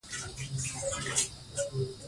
په افغانستان کې نمک د خلکو د اعتقاداتو سره تړاو لري.